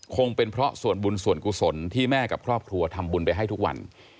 คงเป็นเพราะส่วนบุญส่วนกุศลที่แม่กับครอบครัวทำบุญไปให้ทุกวัน